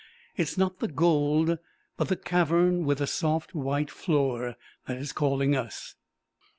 It is not the gold, but the cavern with the soft white floor that is calling us."